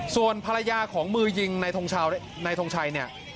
ส่วนภรรยาของมือยิงในทงชัย